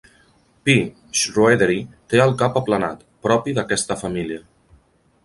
"P. Schroederi" té el cap aplanat, propi d'aquesta família.